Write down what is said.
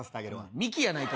ミキやないか。